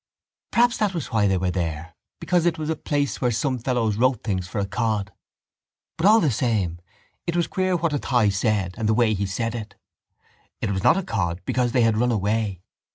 _ Perhaps that was why they were there because it was a place where some fellows wrote things for cod. But all the same it was queer what Athy said and the way he said it. It was not a cod because they had run away.